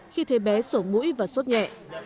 khi thấy bé sổ mũi và suốt cao